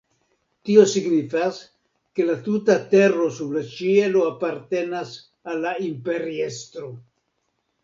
Tio signifas, ke la tuta tero sub la ĉielo apartenas al la imperiestro.